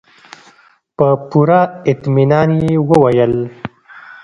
په پوره اطمينان يې وويل.